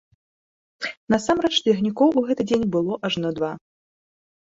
Насамрэч цягнікоў у гэты дзень было ажно два.